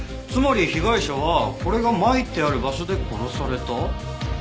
つまり被害者はこれがまいてある場所で殺された？